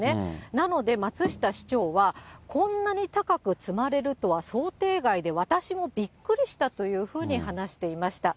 なので、松下市長は、こんなに高く積まれるとは想定外で、私もびっくりしたというふうに話していました。